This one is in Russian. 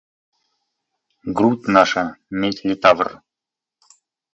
Грудь наша – медь литавр.